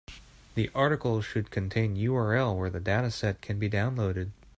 The article should contain URL where the dataset can be downloaded.